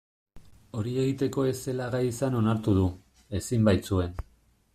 Hori egiteko ez zela gai izan onartu du, ezin baitzuen.